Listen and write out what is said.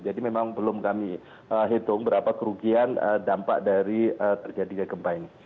jadi memang belum kami hitung berapa kerugian dampak dari terjadinya gempa ini